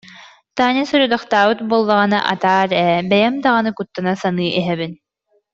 Таня сорудахтаабыт буоллаҕына атаар ээ, бэйэм даҕаны куттана саныы иһэбин